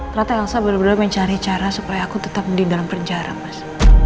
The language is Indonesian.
ternyata elsa benar benar mencari cara supaya aku tetap di dalam penjara mas